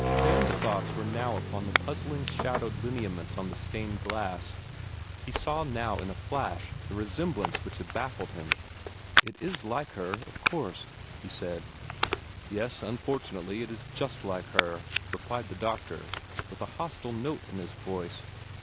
Theron's thoughts were upon the puzzling shadowed lineaments on the stained glass. He saw now in a flash the resemblance which had baffled him. "It IS like her, of course," he said. "Yes, unfortunately, it IS just like her," replied the doctor, with a hostile note in his voice.